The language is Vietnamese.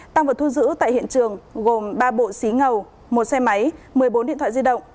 tăng vật thu giữ tại hiện trường gồm ba bộ xí ngầu một xe máy một mươi bốn điện thoại di động